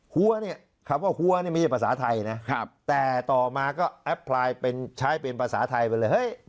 หัวคำว่าหัวไม่ใช่ภาษาไทยนะแต่ต่อมาก็ใช้เป็นภาษาไทยไปเลย